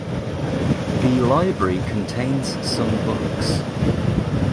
The library contains some books.